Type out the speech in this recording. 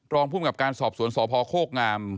รองพุ่งกับการสอบสวนสอบภอคโฆกงาม